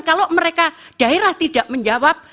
kalau mereka daerah tidak menjawab